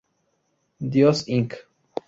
Dios Inc.